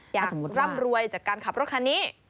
อยากร่ำรวยจากการขับรถคันนี้